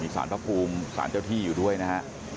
สารพระภูมิสารเจ้าที่อยู่ด้วยนะฮะ